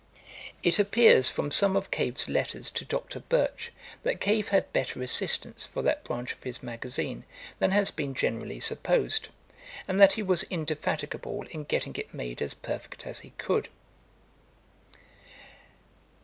It appears from some of Cave's letters to Dr. Birch, that Cave had better assistance for that branch of his Magazine, than has been generally supposed; and that he was indefatigable in getting it made as perfect as he could.